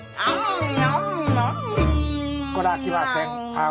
こらあきません。